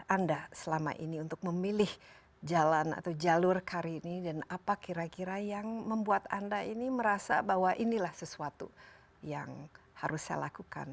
anda selama ini untuk memilih jalan atau jalur kali ini dan apa kira kira yang membuat anda ini merasa bahwa inilah sesuatu yang harus saya lakukan